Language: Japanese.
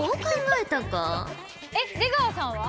えっ出川さんは？